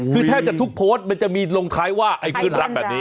คือแทบจะทุกโพสต์มันจะมีลงท้ายว่าไอ้เพื่อนรักแบบนี้